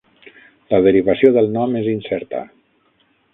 La derivació del nom és incerta.